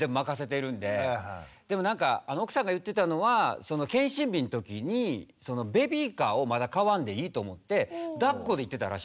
でもなんか奥さんが言ってたのは健診日の時にベビーカーをまだ買わんでいいと思ってだっこで行ってたらしいんですよ。